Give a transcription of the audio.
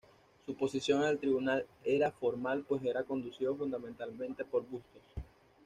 Su posición en el Tribunal era formal pues era conducido fundamentalmente por Bustos.